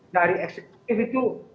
dari eksekutif itu